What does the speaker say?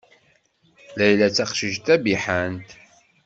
Layla d taqcict tabiḥant.